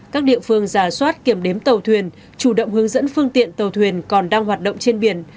các địa phương giả soát kiểm đếm tàu thuyền chủ động hướng dẫn phương tiện tàu thuyền còn đang hoạt động trên biển